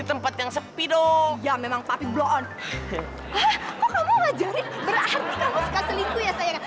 berarti kamu suka selingkuh ya sayangnya